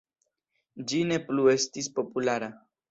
Ĝi ne plu estis populara.